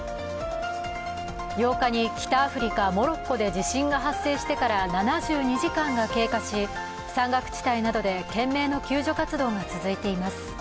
８日に北アフリカモロッコで地震が発生してから７２時間が経過し山岳地帯などで懸命な救助活動が続いています